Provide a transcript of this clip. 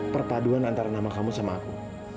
perpaduan antara nama kamu sama aku